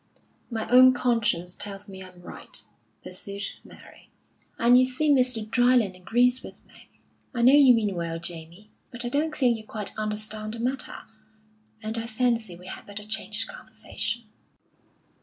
"My own conscience tells me I'm right," pursued Mary, "and you see Mr. Dryland agrees with me. I know you mean well, Jamie; but I don't think you quite understand the matter, and I fancy we had better change the conversation."